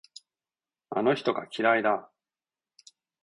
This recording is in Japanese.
あの人が嫌いだ。